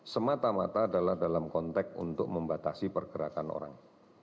semata mata adalah dalam konteks untuk membatasi pergerakan orang